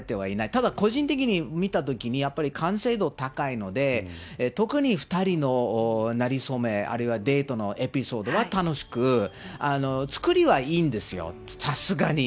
ただ、個人的に見たときに、やっぱり完成度高いので、特に２人のなれ初め、あるいはデートのエピソードは楽しく、作りはいいんですよ、さすがに。